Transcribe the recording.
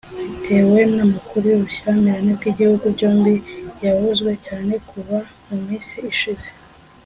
bitewe n’amakuru y’ubushyamirane bw’ibihugu byombi yavuzwe cyane kuva mu minsi ishize